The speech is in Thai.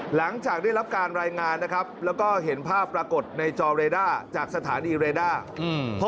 หลังจากได้รับการรายงานและเห็นภาพปรากฏในจอเรดาร์จากสถานีเรดาร์